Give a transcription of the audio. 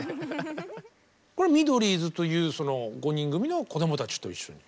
これはミドリーズというその５人組の子どもたちと一緒に。